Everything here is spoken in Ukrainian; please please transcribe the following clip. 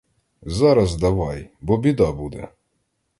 Зараз давай, бо біда буде!